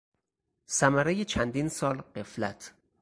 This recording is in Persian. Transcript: ثمرهی چندین سال غفلت